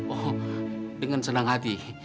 oh dengan senang hati